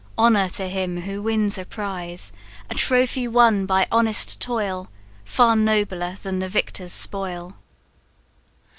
Honour to him who wins a prize! A trophy won by honest toil, Far nobler than the victor's spoil."